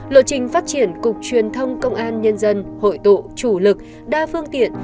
lộ trình phát triển cục truyền thông công an nhân dân hội tụ chủ lực đa phương tiện